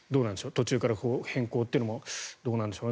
途中から変更というのもどうなんでしょうね